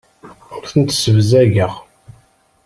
Ur tent-ssebzageɣ.